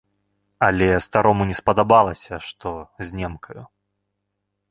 Але старому не спадабалася, што з немкаю.